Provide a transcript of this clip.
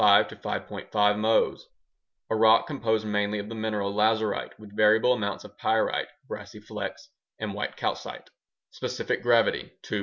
5 Mohs) A rock composed mainly of the mineral lazurite with variable amounts of pyrite (brassy flecks) and white calcite Specific gravity: 2.7 2.